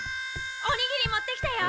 おにぎり持ってきたよ！